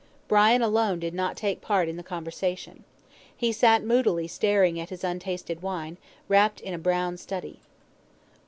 Brian alone did not take part in the conversation. He sat moodily staring at his untasted wine, wrapped in a brown study.